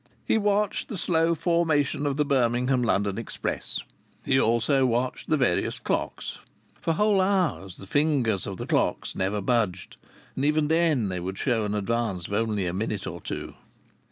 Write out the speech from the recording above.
He watched the slow formation of the Birmingham London express. He also watched the various clocks. For whole hours the fingers of the clocks never budged, and even then they would show an advance of only a minute or two.